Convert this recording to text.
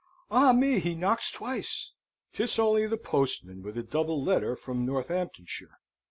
Ah me, he knocks twice! 'Tis only the postman with a double letter from Northamptonshire!